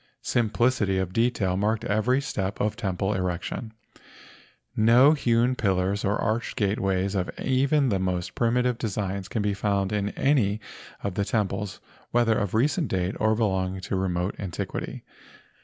Simplicity of detail marked every step of temple erection. 2 LEGENDS OF GHOSTS No hewn pillars or arched gateways of even the most primitive designs can be found in any of the temples whether of recent date or belong¬ ing to remote antiquity.